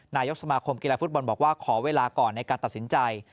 นายกสมาคมกีฬาฟุตบอลบอกว่าขอเวลาก่อนในการตัดสินใจ